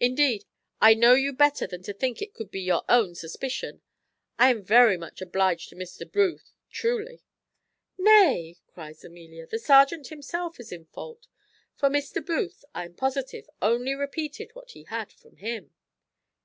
Indeed, I know you better than to think it could be your own suspicion. I am very much obliged to Mr. Booth truly." "Nay," cries Amelia, "the serjeant himself is in fault; for Mr. Booth, I am positive, only repeated what he had from him."